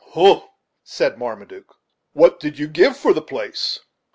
"Hum," said Marmaduke, "what did you give for the place?"